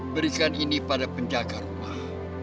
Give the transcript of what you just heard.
berikan ini pada penjaga rumah